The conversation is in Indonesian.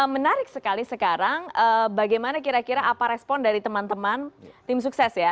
menarik sekali sekarang bagaimana kira kira apa respon dari teman teman tim sukses ya